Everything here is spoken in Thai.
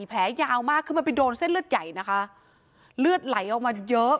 แผลยาวมากคือมันไปโดนเส้นเลือดใหญ่นะคะเลือดไหลออกมาเยอะ